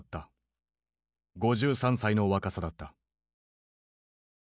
５３歳の若さだった。